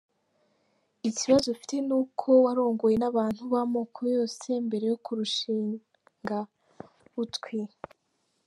ikibazo ufite nuko warongowe n’abantu b’amoko yose mbere yo kurushinga, butwi.